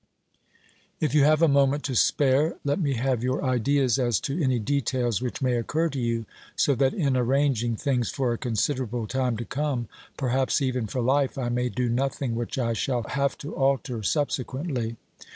If you have a moment to spare, let me have your ideas as to any details which may occur to you, so that in arranging things for a considerable time to come, perhaps even for life, I may do nothing which I shall have to alter subsequently.